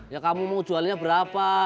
ya kamu mau jualnya berapa